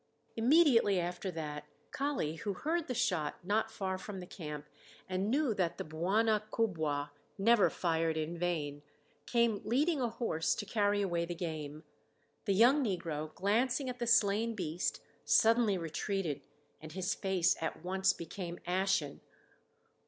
Immediately after that Kali, who heard the shot not far from the camp and knew that the "Bwana kubwa" never fired in vain, came leading a horse to carry away the game. The young negro, glancing at the slain beast, suddenly retreated, and his face at once became ashen.